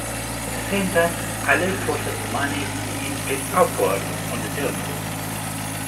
At the same time, Allied forces managed to inflict upwards of on the Germans.